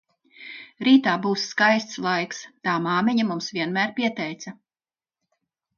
Rītā būs skaists laiks, tā māmiņa mums vienmēr pieteica.